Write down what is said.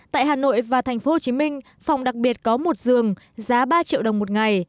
tại hà nội và tp hcm phòng đặc biệt có một giường giá ba triệu đồng một ngày